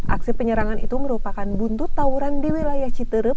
aksi penyerangan itu merupakan buntut tawuran di wilayah citerup